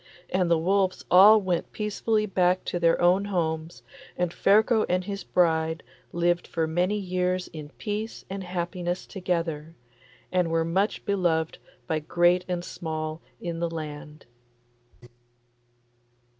And the wolves all went peacefully back to their own homes, and Ferko and his bride lived for many years in peace and happiness together, and were much beloved by great and small in the land.